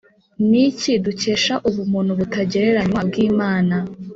Ni iki dukesha ubuntu butagereranywa bw’Imana